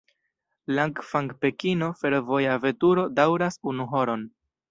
Langfang-Pekino fervoja veturo daŭras unu horon.